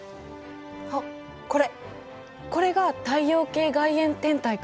あっこれこれが太陽系外縁天体かな？